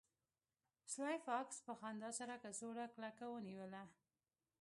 سلای فاکس په خندا سره کڅوړه کلکه ونیوله